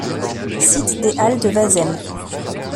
Site des Halles de Wazemmes.